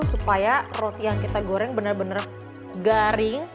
supaya roti yang kita goreng benar benar garing